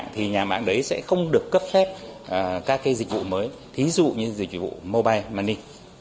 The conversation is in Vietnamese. thì nhà mạng đấy sẽ không được cấp phép các dịch vụ mới thí dụ như dịch vụ mobile money